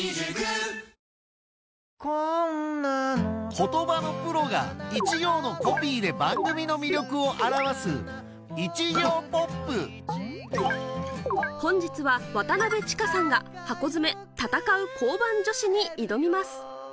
言葉のプロが一行のコピーで番組の魅力を表す本日は渡千佳さんが『ハコヅメたたかう！交番女子』に挑みます